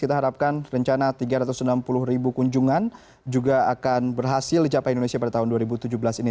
kita harapkan rencana tiga ratus enam puluh ribu kunjungan juga akan berhasil dicapai indonesia pada tahun dua ribu tujuh belas ini